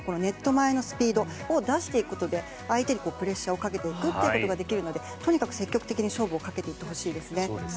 前のスピードを出していくことで相手にプレッシャーをかけていくということができるのでとにかく積極的に勝負をかけていってほしいですね。